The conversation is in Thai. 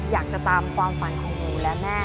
อยากจะตามความฝันของหนูและแม่